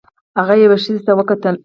هغه یوې ښځې ته وکتل.